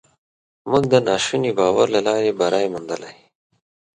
موږ د ناشوني باور له لارې بری موندلی.